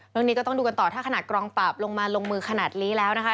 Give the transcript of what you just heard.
เรื่องนี้ก็ต้องดูกันต่อถ้าขนาดกองปราบลงมาลงมือขนาดนี้แล้วนะคะ